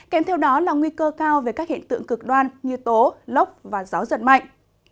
kèm theo đó là nguy cơ cao về các hiện tượng cực đoan như tố lốc và gió giật mạnh